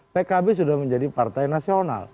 pkb sudah menjadi partai nasional